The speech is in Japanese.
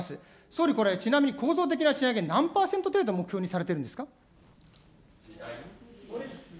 総理、ちなみに構造的な賃上げ、何％を目標にされてるんですか。